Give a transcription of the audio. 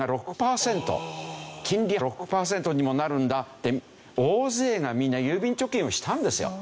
金利６パーセントにもなるんだって大勢がみんな郵便貯金をしたんですよ。